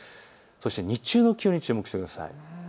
そして日中の気温に注目してください。